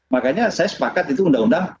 makanya saya sepakat itu undang undang